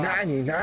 何？